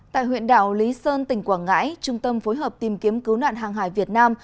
tại huyện đảo lý sơn tỉnh quảng ngãi trung tâm phối hợp tìm kiếm cứu nạn hàng hải việt nam